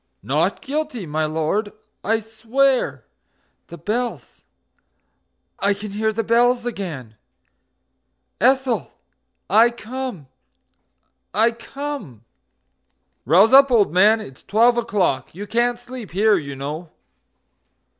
NOT GUILTY, my Lord, I swear... The bells I can hear the bells again!... Ethel, I come, I come!... "Rouse up, old man, it's twelve o'clock. You can't sleep here, you know.